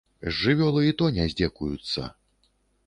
З жывёлы і то не здзекуюцца.